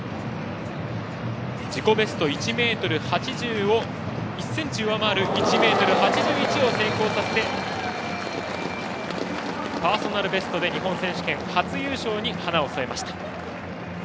自己ベスト１ｍ８０を１ｃｍ上回る１ｍ８１を成功させてパーソナルベストで日本選手権初優勝に花を添えました。